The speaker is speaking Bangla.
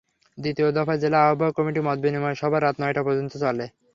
দ্বিতীয় দফায় জেলা আহ্বায়ক কমিটির মতবিনিময় সভা রাত নয়টা পর্যন্ত চলে।